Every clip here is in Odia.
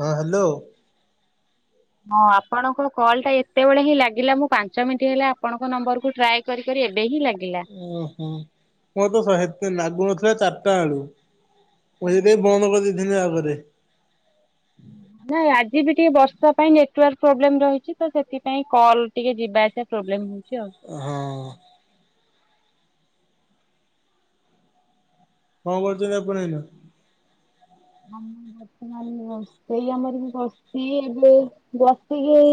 ହଁ ହ୍ୟାଲୋ। ହ [inaudible] ହଁ ଆପଣଙ୍କ କଲ୍ ଟା ଏତେବେଳେ ହିଁ ଲାଗିଲା ମୁଁ ପାଞ୍ଚ ମିନିଟ୍ ହେଲା ଆପଣଙ୍କ ନମ୍ବର କୁ ଟ୍ରାଏ କରି କରି ଏବେ ହିଁ ଲାଗିଲା। ଓହୋ ମୋରତ ସହେତେ ଲାଗୁନଥିଲା ଚାରିଟା ବେଳୁ ମୁଁ ହେଇଥୀପାଇଁ ବନ୍ଦ କରିଦେଇଥିନି ଆପରେ। ହୁଁ, ଉ। ନାଇଁ, ଆଜି ବି ଟିକେ ବର୍ଷା ପାଇଁ ନେଟୱାର୍କ ପ୍ରୋବ୍ଲେମ୍ ରହିଛି ତ, ସେଥିପାଇଁ କଲ୍ ଟିକେ ଯିବା ଆସିବା ପ୍ରୋବ୍ଲେମ୍ ଉଁଛି ଆଉ। ହଁ। କଣ କରୁଛନ୍ତି ଆପଣ ଏଇନା? ଆମ ବର୍ତ୍ତମାନ ରୋସେଇ ଆମର [unintelligible] ବସିକି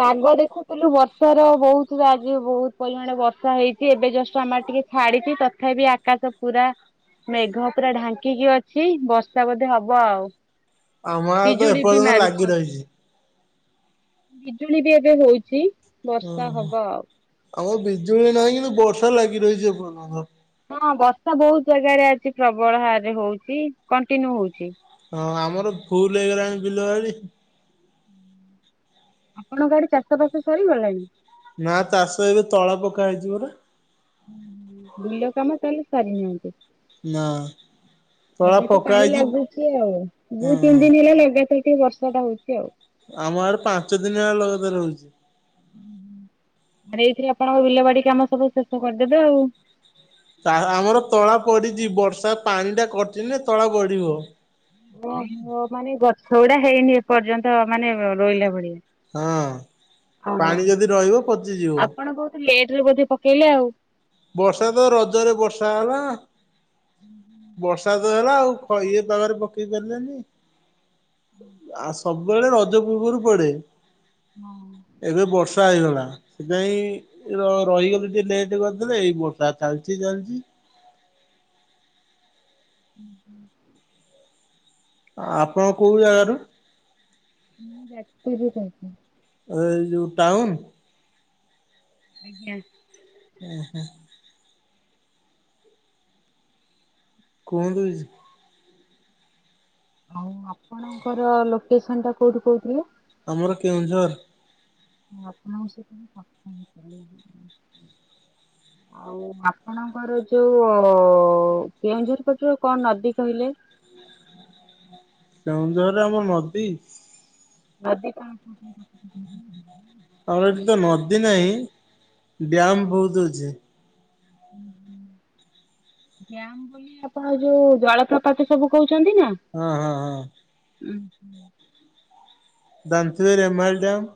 ପାଗ ଦେଖୁଥିଲୁ ବର୍ଷାର ବହୁତ ଆଜି, ବହୁତ ପରିମାଣ ବର୍ଷା ହେଇଛି, ଏବେ ଜଷ୍ଟ ଆମ ଆଡେ ଟିକେ ଛାଡିଛି, ତଥାପି ଆକାଶ ପୁରା ମେଘ ପୁରା ଢାଙ୍କିକି ଅଛି, ବର୍ଷା ବୋଧେ ହବ ଆଉ। ଆମ ଆଡେ ତ ଏ ପିଜୁଳି ବି ପର୍ଯ୍ୟନ୍ତ ମାରୁଛି। ଲାଗି ରହିଛି। ବିଜୁଳି ବି ଏବେ ହଉଛି। ଓ ବର୍ଷା ହ, ହବ ଆଉ। ଆମର ବିଜୁଳି ନାହିଁ କିନ୍ତୁ, ବର୍ଷା ଲାଗି ରହିଛ ଏପର୍ଯନ୍ତ। ହଁ, ବର୍ଷା ବହୁତ ଜାଗାରେ ଆଜି ପ୍ରବଳ ହାରରେ ହଉଛି। କଣ୍ଟିନ୍ୟୁ ହଉଛି। ହଁ, ଆମର ଭୁଲ ହେଇଗଲାଣି ବିଲ ବାଡ଼ି। ଆପଣଙ୍କ ଆଡେ ଚାଷ ବାସ ସରିଗଲାଣି? ନା ଚାଷ ଏବେ ତଳା ପକା ହେଇଛି ପରା। ହୁଁ, ହୁଁ, ବିଲ କାମ ତାଲେ ସାରିନାନ୍ତି। ନା। ତଳା ଏବେ ତ ପକା ପାଣି ହେଇଛି ଲାଗୁଛି ଆଉ। ଦୁଇ ତିନି ହଁ। ଦିନି ହେଲା ଲଗାତର୍ ଟିକେ ବର୍ଷା ଟା ହଉଛି ଆଉ। ଆମ ଆଡେ, ପାଞ୍ଚ ଦିନି ହେଲା ଲଗାତାର ହଉଛି। ଆ ଏଇଥିରେ ଆପଣଙ୍କ ବିଲ ବାଡି କାମ ସବୁ ଶେଷ କରିଦେବେ ଆଉ। ଆମର ତଳା ପଡିଛି। ବର୍ଷା ପାଣି ଟା କଟିଲେ ତଳା ବଢିବ। ଓହୋ! ମାନେ ଗଛ ଗୁଡା ହେଇନି ଏପର୍ଯ୍ୟନ୍ତ ମାନେ ରୋଇଲା ଭଳିଆ। ହଁ, ପାଣି ଯଦି ରହିବ ପଚିଯିବ। ଲେଟ୍ ରେ ବୋଧେ ପକେଇଲେ ଆଉ। ବର୍ଷା ତ ରଜରେ ବର୍ଷା ହେଲାଁ। ବର୍ଷା ହେଲା ଆଉ ଇଏ ପାଗରେ ପକେଇ ପାରିଲେନି। ଆସ୍ ସବୁବେଳେ ରଜ ପୂର୍ବରୁ ପଡେ। ହଁ। ଏବେ ବର୍ଷା ହେଇଗଲା। ସେଥିଆଇଁ ରହିଗଲି, ଟିକେ ଲେଟ୍ କରି [unintelligible] ଏଇ ବର୍ଷା ଚାଲିଚି ଚାଲିଚି। ଉଁ, ହୁଁ। ଆପଣ କୋଉ ଜାଗାରୁ? ମୁଁ ଯାଜପୁରୁ କହୁଛି। ଏ ଯୋଉ ଟାଉନ? ଆଜ୍ଞା। ଉଁ ହୁଁ। କୁହନ୍ତୁ କିଛି? ଆଉ ଆପଣଙ୍କର ଲୋକେସନ୍ ଟା କୋଉଠୁ କହୁଥିଲେ? ଆମର କେଉଁଝର। ଆପଣ ସେ [inaudible] ଆଉ, ଆପଣଙ୍କର ଯୋଉ-ଉ କେଉଁଝର ପଟରୁ କଣ ନଦୀ କହିଲେ? କେଉଁଝରେ ଆମ ନଦୀ! ନଦୀ କଣ [inaudible] ଆମର ଏଠି ତ ନଦୀ ନାହିଁ। ଡ୍ୟାମ୍ ବହୁତ ଅଛି। ଉଁ ହୁଁ। ଡ୍ୟାମ୍ ବୋଲି ଆପଣ ଯୋଉ ଜଳପ୍ରପାତ ସବୁ କହୁଛନ୍ତି ନା! ହଁ ହଁ ହଁ। ଉଁ, ହୁଁ। ଜାଣିଥିବେ ରେମାଲ୍ ଡ୍ୟାମ୍।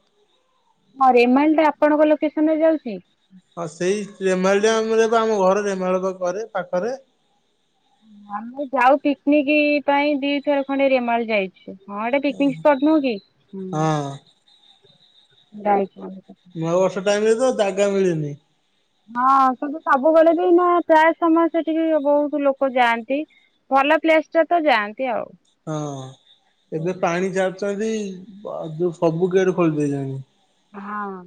ହଁ, ରେମାଲ୍ ଟା ଆପଣଙ୍କ ଲୋକେସନ୍ ରେ ଯାଉଛି। ହଁ ସେଇ ରେମାଲ ଦ୍ୟାମ ରେ ବା ଆମ ଘର ରେମାଲ କରେ ପାଖରେ। ଆମେ ଯାଉ ପିକନିକ ପାଇଁ ଦିଥର ଖଣ୍ଡେ ରେମାଲ ଯାଇଚି। ହଁ ଏଟା ପିକନିକ ପ୍ସଟ ନୁହଁ କି? ହଁ ଯାଉଚୁ [unintelligible] ନୂଆବର୍ଷ ଟାଇମ ରେ ତ ଜାଗା ମିଳେନି। ହଁ ସେନ୍ତୁ ସବୁବେଳେ ବି ନା ପ୍ରାୟ ସମୟ ସେଠିକି ବହୁତ ଲୋକ ଯାଆନ୍ତି। ଭଲ ପ୍ଲେସଟା ତ ଯାଆନ୍ତି ଆଉ। ହଁ ଏବେ ପାଣି ଛାଡୁନ୍ତି ବ ଯୋଉ ସବୁ ଗେଟ ଖୋଲି ଦେଇଚନ୍ତି। ହଁ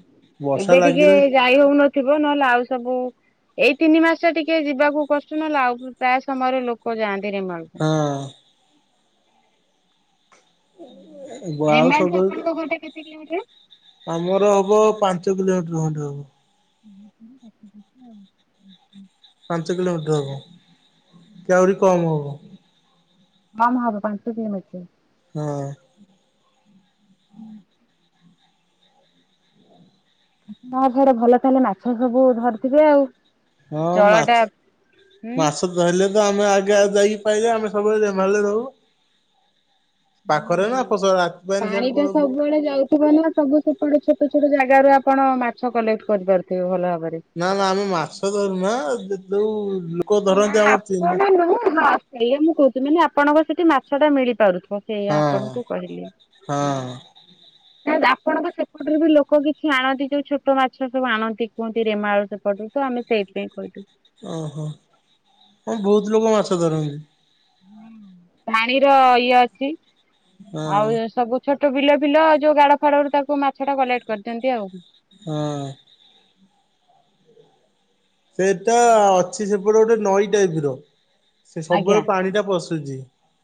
ଏବେ ଟିକେ ଯାଇ ହୋଉନଥିବ ନଲେ ଆଉ ସବୁ ଏଇ ତିନି ମାସ ଟା ଟିକେ ଯିବାକୁ କଷ୍ଟ ନଲେ ଆଉ ପ୍ରାୟ ସମୟରେ ଲୋକ ଯାଆନ୍ତି ରେମାଲକୁ। ହଁ। ଆଉ ରେମାଳଠୁ ସବୁବେଳେ ଆପଣଙ୍କ ଘରଟା କେତେ କିଲୋମିଟର? ଆମର ହବ ପାଞ୍ଚ କିଲୋମିଟର ଖଣ୍ଡେ ହବ। [unintelligible] ପାଞ୍ଚ କିଲୋମିଟର ହବ କି ଆହୁରି କମ୍ ହବ। କମ ହବ ପାଞ୍ଚ କିଲୋମିଟ ହଁ। ହୁଁ। [unintelligible] ଭଲ ତାଲେ ମାଛ ସବୁ ଧରିଥିବେ ଆଉ। ଜଳ ଟା ହୁଁ। ଧଇଲେ ତ ଆମେ ଆଗେ ଆ ଯାଇକି ପାଇଆ ଆମେ ସବୁବେଳେ ଜମାଳ ରେ ରଉ। ପାଖରେ ନା ହୁଁ। ଫସ ରାତି ପାଇନେ ସିଆଡେ ପଳଉବୁ। ସେଥିପାଇଁ ନା ସବୁ ସେପଟେ ଛୋଟ ଛୋଟ ଜାଗାରୁ ଆପଣ ମାଛ କଲେକ୍ଟ କରିପାରୁଥିବେ ଭଲ ଭାବରେ। ନା ନା ଆମେ ମାଛ ଧରୁନା ଯଉ ନା ଆପଣ ନୁହଁ ହଁ ସେଇଆ ମୁଁ କହୁଚି ମୁଁ କଇନି ଆପଣଙ୍କ ସେଠି ମାଛ ଟା ମିଳି ପାରୁଥିବ। ସେଇଆ ହଁ ଆପଣଙ୍କୁ କହିଲି। ହଁ ଆପଣଙ୍କ ସେପଟରେ ବି ଲୋକ କିଛି ଆଣନ୍ତି ଯୋଉ ଛୋଟ ମାଛ ସବୁ ଆଣନ୍ତି କୁହନ୍ତି ରେମାଳୁ ସେପଟରୁ ତ ଆମେ ସେଇଥିପାଇଁ କହିିଲୁ। ଓହୋ ହଁ ବହୁତ ଲୋକ ମାଛ ଧରନ୍ତି। ହଁ ପାଣିର ଇଏ ଅଛି ହଁ ଆଉ ସବୁ ଛୋଟ ବିଲ ଫିଲ ଯୋଉ ଗାଡ ଫାଡରୁ ତାକୁ ମାଛ ଟା କଲେକ୍ଟ କରିଦିଅନ୍ତି ଆଉ। ହଁ। ସେତ ଅଛି ସେପଟେ ଗୋଟେ ନଈ ଟାଇପ ର ସେ ଆଜ୍ଞା। ସବୁବେଳେ ପାଣିଟା ପଶୁଚି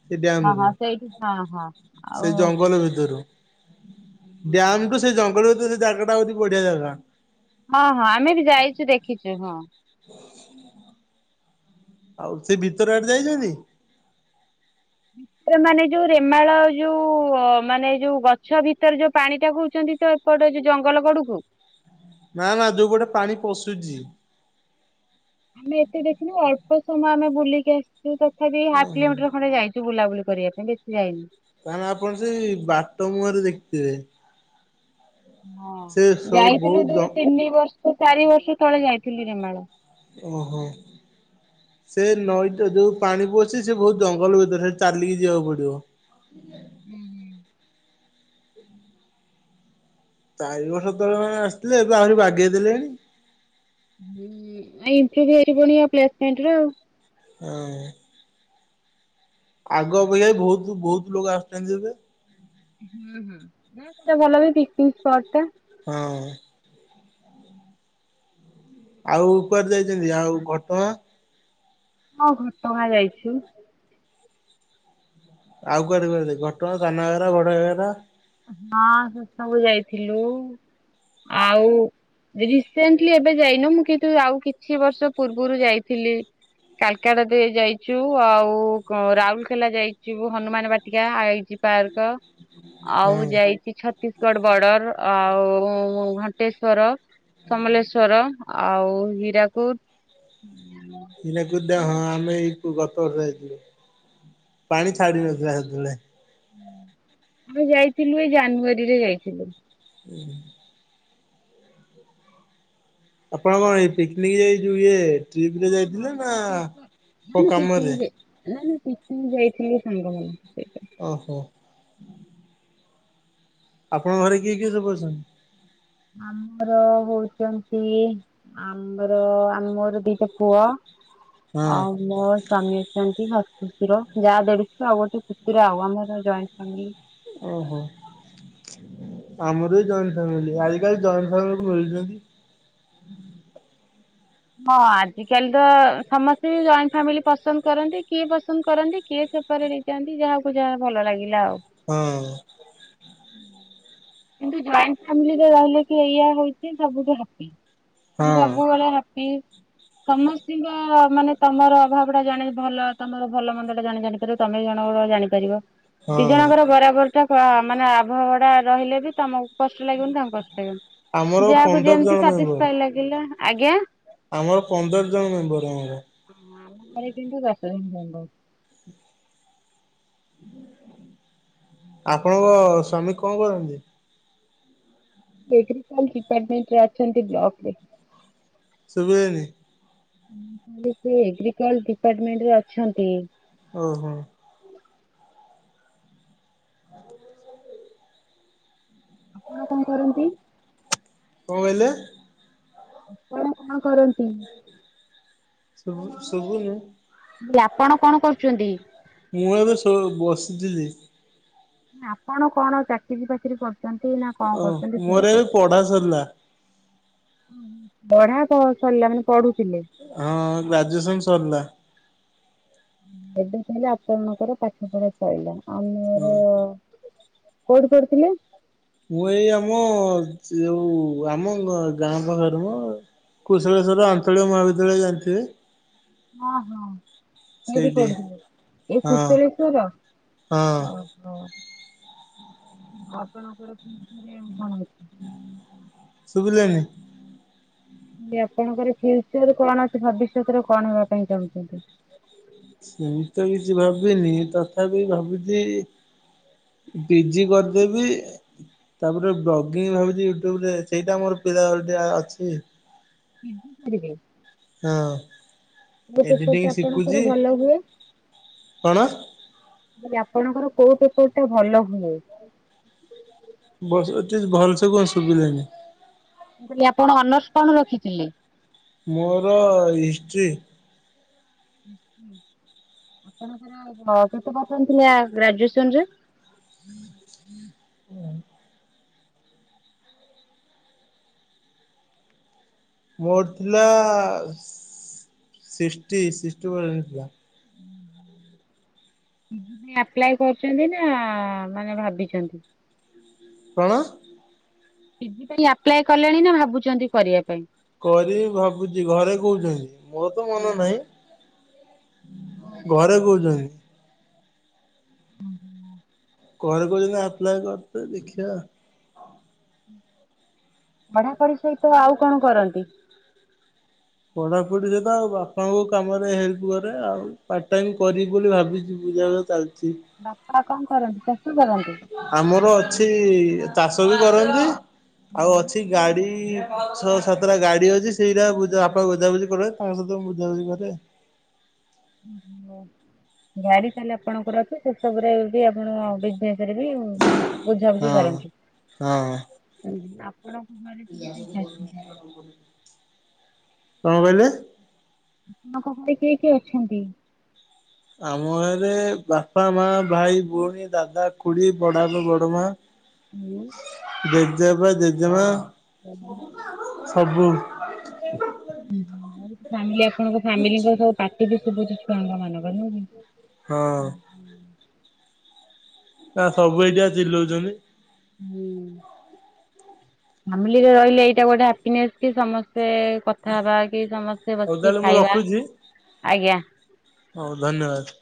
ସେ ହଁ ଡ୍ୟାମ କୁ ହଁ ସେଇଠି ହଁ ହଁ ଆଉ ସେ ଜଙ୍ଗଲ ଭିତରୁ। ଡ୍ୟାମ ଟୁ ସେ ଜଙ୍ଗଲରୁ ତ ସେ ଜାଗା ଟା ହଉଛି ବଢିଆ ଜାଗା। ହଁ ହଁ ଆମେ ବି ଯାଇଚୁ ଦେଖିଚୁ ହଁ। ହ ଆଉ ସେ ଭିତର ଆଡେ ଯାଇଚନ୍ତି? ମାନେ ଯୋଉ ରେମାଳ ଯୋଉ ଅ ମାନେ ଯୋଉ ଗଛ ଭିତରେ ଯୋଉ ପାଣି ଟା କଉଚନ୍ତି ତ ଏପଟ ଯୋଉ ଜଙ୍ଗଲ କଡକୁ? ନା ନା ଯୋଉ ପଟେ ପାଣି ପଶୁଚି। ଆମେ ଏତେ ଦେଖିନୁ ଅଳ୍ପ ସମୟ ଆମେ ବୁଲିକି ଆସିଚୁ ତଥାପି ହାଫ୍ ଓହୋ। କିଲୋମିଟର ଖଣ୍ଡେ ଯାଇ ଚୁ ବୁଲାବୁଲି କରିବା ପାଇଁ ବେଶୀ ଯାଇନି। ତାନେ ଆପଣ ସେଇ ବାଟ ମୁହଁରେ ଦେଖିଥିବେ। ହଁ ସେ ସବୁ ଯାଇଥିଲୁ ବହୁତ ଜ ଦୁଇ ତିନି ବର୍ଷ ଚାରି ବର୍ଷ ତଳେ ଯାଇଥିଲି ରେମାଳ। ଓହୋ। ସେ ନଈଟା ଯୋଉ ପାଣି ପସିଚି ସେ ବହୁତ ଜଙ୍ଗଲ ଭିତରେ ସେ ଚାଲିକି ଯିବାକୁ ପଡିବ। ହୁଁ। ଚାରି ବର୍ଷ ତଳେ ମାନେ ଆସିଥିଲେ ଏବେ ଆହୁରି ବାଗେଇ ଦେେଲେଣି। [unintelligible] ହଁ। ଆଗ ଅପେକ୍ଷା ବହୁତ ବହୁତ ଲୋକ ଆସୁଚନ୍ତି ଏବେ। ସେଟା ଭଲ ବି ପିକନିକ ସ୍ପଟ ଟା। ହଁ। ଆଉ ଉପରେ ଯାଇଚନ୍ତି ଆଉ ଘଟଗାଁ। ହଁ ଘଟ ଗାଁ ଯାଇଚୁ। ଆଉ କୁଆଡେ କୁଆଡେ ଯାଇଚ ଘଟଗାଁ ସାନ ଘଗେରା ବଡ଼ ଘଗେରା। ହଁ ସେସବୁ ଯାଇଥିଲୁ ଆଉ ରିସେଣ୍ଟଲି ଏବେ ଯାଇନୁ ମୁଁ କିନ୍ତୁ ଆଉ କିଛି ବର୍ଷ ପୂର୍ବୁରୁ ଯାଇଥିଲି। କାଲକାଡ ଦେଇ ଯାଇଚୁ ଆଉ କ ରାଉରକେଲା ଯାଇଚୁ ହନୁମାନ ବାଟ ଟିକା ଆଇଜି ପାର୍କ। ଆଉ ହଁ। ଯାଇଚି ଛତିଶଗଡ଼ ବର୍ଡର ଆଉ ଘଣ୍ଟେଶ୍ଵର। ସମଲେଶ୍ଵର ଆଉ ହୀରାକୁଦ। ହୀରାକୁଦ ଡ୍ୟାମେ ଆମେ ଏଇ କୁ ଗତ ବର୍ଷ ଯାଇଥିଲୁ। ପାଣି ଛାଡ଼ି ନଥିଲା ହେତେବେଳେ। ଆମେ ଯାଇଥିଲୁ ଏଇ ଜାନୁଆରୀରେ ଯାଇଥିଲୁ। ହୁଁ ଆପଣ କଣ ଏଇ ପିକନିକ ଯାଇ ଯୋଉ ଇଏ ଟ୍ରିପ ରେ ହଁ ହଁ ଯାଇଥିଲେ ନା କଣ କାମରେ ନାଁ ନାଁ ପିକନିକ୍ ଯାଇଥିଲି ସାଙ୍ଗମାନଙ୍କ ସହିତ। ଓହୋ। ଆପଣଙ୍କ ଘରେ କିଏ କିଏ ସବୁ ଅଛନ୍ତି? ଆମର ହଉଚନ୍ତି ଆମର ଆ ମୋର ଦିଟା ପୁଅ ଆଉ ହଁ। ମୋ ସ୍ଵାମୀ ଅଛନ୍ତି ଶାଶୁ ଶଶୁର ଯାଆ ଦେଢ଼ସୁର ଆଉ ଗୋଟେ ପୁତୁରା ଆଉ ଆମର ଜଏଣ୍ଟ ଫ୍ୟାମିଲି। ଓହୋ। ଆମର ବି ଜଏଣ୍ଟ ଫାମିଲି ଆଜି କାଲି ଜଏଣ୍ଟ ଫ୍ୟାମିଲି କୋଉ ମିଳୁଚନ୍ତି। ହଁ ଆଜିକାଲି ତ ସମସ୍ତେ ଜଏଣ୍ଟ ଫ୍ୟାମିଲି ପସନ୍ଦ କରନ୍ତି କିଏ ପସନ୍ଦ କରନ୍ତି କିଏ ସେ [inaudible] ହେଇଯାଆନ୍ତି ଯାହାକୁ ଯାହା ଭଲ ଲାଗିଲା ଆଉ ହଁ। କିନ୍ତୁ ଜଏଣ୍ଟ ଫ୍ୟାମିଲି ରେ ରହିଲେ କି ଏଇଆ ହଉଚି ସବୁଠୁ ହାପି। ହଁ ସବୁବେଳେ ହାପି। ସମସ୍ତିଙ୍କ ମାନେ ତମର ଅଭାବ ଟା ଜାଣି ଭଲ ତମର ଭଲ ମନ୍ଦ ଟା ଜାଣି ଜାଣି ପାରିବ। ତମେ ଜଣଙ୍କର ଜାଣିପାରିବ ହଁ ଦିଜଣଆଙ୍କର ବରାବର [unintelligible] ମାନେ [unintelligible] ରହିଲେ ବି ତମକୁ କଷ୍ଟ ଲାଗିବନି ତାଙ୍କୁ କଷ୍ଟ ଆମର ଲାଗିବନି। ଯାହାକୁ ପନ୍ଦର ଜଣ ଯେମତି ମେମ୍ବର। ସାଟିସଫାଏଡ୍‌ ଲାଗିଲା ଆଜ୍ଞା। ଆମର ପନ୍ଦର ଜଣ ମେମ୍ବର ଆମର। ଓହୋ ଆମ ଘରେ କିନ୍ତୁ ଦଶ ଜଣ ମେମ୍ବର। ଆପଣଙ୍କ ସ୍ୱାମୀ କଣ କରନ୍ତି? ଏଗ୍ରିକଲ ଡିପାର୍ଟମେଣ୍ଟ ରେ ଅଛନ୍ତି ବ୍ଲକ ରେ। ଶୁବିଲାନି। [unintelligible] ଏଗ୍ରିକଲ ଡିପାର୍ଟମେଣ୍ଟ ରେ ଅଛନ୍ତି। ଓ ହୋ। ଆପଣ କଣ କରନ୍ତି? କଣ କହିଲେ? ଆପଣ କଣ କରନ୍ତି? ଶୁବୁ ଶୁବୁନି। ଆପଣ କଣ କରୁଚନ୍ତି? ମୁଁ ଏବେ ଶୋ ବସିଥିଲି। ଆପଣ କଣ ଚାକିରୀ ବାକିରିୀ କରୁଚନ୍ତି ନା କଣ ଓ କରୁଚନ୍ତି ମୋର ସେଇଆ ଏବେ ପଚା ପଢା ସରିଲା ପଢା ସ ସରିଲା ମାନେ ପଢୁଥିଲେ? ହଁଅଁ ଗ୍ରାଜୁଏସନ ସରିଲା। ଏବେ ତାହଲେ ଆପଣଙ୍କର ପାଠ ପଢା ସଇଲା ଆ ମୁଁ ହଁ। କୋଉଠି କରୁଥିଲେ? ମୁଁ ଏଇ ଆମ ଯୋଉ ଆମ ଗାଁ ପାଖରେ ମ କୁଶଳେଶ୍ୱର ଆଞ୍ଚଳିକ ମହାବିଦ୍ୟାଳୟ ଜାଣିଥିବେ? ହଁ ହଁ ଏଇଠି ସେଇଠି ପଢୁଥିଲେ ଏଇ ହଁ କୁଶଳେଶ୍ୱର ହଁ। ଓ ହଁ। ଆଉ ଆପଣଙ୍କର ଫ୍ୟୁଚର ରେ ଏମ୍ କଣ ଅଛି? ଶୁଭିଲାନି ଆପଣଙ୍କର ଫ୍ୟୁଚର କଣ ଅଛି ଭବିଷ୍ୟତରେ କଣ ହେବା ପାଇଁ ଚାହୁଁଛନ୍ତି? ସେମିତି ତ କିଛି ଭାବିନି ତଥାପି ଭାବୁଚି ପିଜି କରିଦେବି। ତାପରେ ବ୍ଲଗିଙ୍ଗ ଭାବୁଛି ୟୁଟ୍ୟୁବ ରେ ସେଇଟା ଆମର ପିଲା ଟେ ଅଛି [unintelligible] ହଁ। କୋଉ ପେପର୍ ଏଡିଟିଂ ଟା ଆପଣଙ୍କର ଶିଖୁଛି ଭଲ ହୁଏ? କଣ? ମୁଁ କହିଲି ଆପଣଙ୍କର କୋଉ ପେପର ଟା ଭଲ ହୁଏ? ବସ ଏତ ଭଲସେ କଣ ଶୁଭିଲାନି। ମୁ କହିଲି ଆପଣ ଅନର୍ସ କଣ ରଖିଥିଲେ? ମୋର ହିଷ୍ଟ୍ରି। ଆପଣଙ୍କର କେତେ ପରସେଣ୍ଟ ଥିଲା ଗ୍ରାଜୁଏସନ ରେ? [unintelligible] ମୋର ଥିଲା ସିକ୍ସଟି ସିକ୍ସଟି ଭଳିଆ ଥିଲା। ଆପ୍ଲାଏ କରୁଛନ୍ତି ନା ମାନେ ଭାବିଛନ୍ତି? କଣ? ପିଜି ପାଇଁ ଆପ୍ଲାଏ କଲେଣି ନା ଭାବୁଛନ୍ତି କରିବା ପାଇଁ? କରିବି ଭାବୁଛି ଘରେ କହୁଛନ୍ତି ମୋର ତ ମନ ନାହିଁ। ଘରେ କହୁଛନ୍ତି। [inaudible] ଘରେ କହୁଛନ୍ତି ଆପ୍ଲାଏ କରି ତେ ଦେଖିଆ। ପଢାପଢି ସହିତ ଆଉ କଣ କରନ୍ତି? ପଢାପଢି ସହିତ ବାପାଙ୍କୁ କାମ ରେ ହେଲ୍ପ କରେ ଆଉ ପାର୍ଟ ଟାଇମ କରିବି ବୋଲି ଭାବିଛି। ଚାଲିଛି। ବାପା କଣ କରନ୍ତି ଚାଷ କରନ୍ତି? ଆମର ଅଛି ଚାଷ ବି କରନ୍ତି। ଆଉ ଅଛି ଗାଡି ଛଅ ସାତଟା ଗାଡି ଅଛି ସେଇଟା ବାପା ବୁଝାବୁଝି କରନ୍ତି ତାଙ୍କ ସହିତ ମୁ ବୁଝାବୁିଝି କରେ। ଓହ ଗାଡି ତାହେଲେ ଆପଣଙ୍କର ଅଛି ସେସବୁରେ ବି ଆପଣ ରେ ବି ହଁ ବୁଝାବୁଝି କରନ୍ତି ହଁ ଆପଣଙ୍କ ସବୁ କିଏ କିଏ ଅଛନ୍ତି? କଣ କହିଲେ? ତମ ଘରେ କିଏ କିଏ ଅଛନ୍ତି? ଆମ ଘରେ ବାପା ମା ଭାଇ ଭଉଣୀ ଦାଦା ଖୁଡି ବଡବାପା ବଡମା। ହୁଁ। ଜେଜେବାପା ଜେଜେମା ସବୁ। ଫ୍ୟାମିଲି ଆପଣଙ୍କ ଫ୍ୟାମିଲିଙ୍କ ସବୁ ପାଟି ବି ଶୁଭୁଛି ଛୁଆଙ୍କ ମାନଙ୍କର ନୁହଁ କି। ହଁ। ନା ସବୁ ଏଇଠିପା ଚିଲଉଛନ୍ତି। ହୁଁ ଫାମିଲିରେ ରହିଲେ ଏଇଟା ଗୋଟେ ହାପିନେସ କି ସମସ୍ତେ କଥା ହବା କି ସମସ୍ତେ ହଉ ବସିକି ତାହେଲେ ମୁଁ ଖାଇବା ରଖୁଛି ଆଜ୍ଞା। ହଉ ଧନ୍ୟବାଦ।